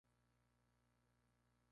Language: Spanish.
Sus cenizas descansan en la iglesia de St.